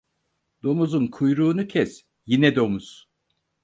Domuzun kuyruğunu kes yine domuz.